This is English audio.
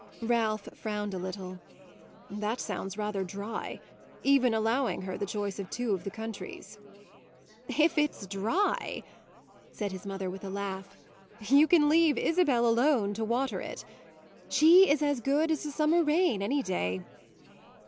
Ralph frowned a little. "That sounds rather dry even allowing her the choice of two of the countries." "If it's dry," said his mother with a laugh, "you can leave Isabel alone to water it! She is as good as a summer rain, any day."